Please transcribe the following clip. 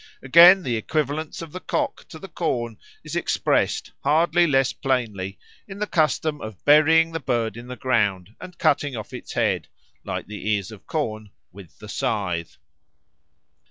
Again, the equivalence of the cock to the corn is expressed, hardly less plainly, in the custom of burying the bird in the ground, and cutting off its head (like the ears of corn) with the scythe.